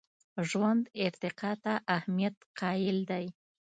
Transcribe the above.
ژوند ارتقا ته اهمیت قایل دی.